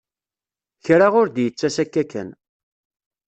Kra ur d-yettas akka kan.